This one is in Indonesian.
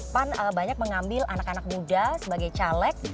pan banyak mengambil anak anak muda sebagai caleg